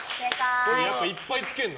やっぱいっぱいつけるの？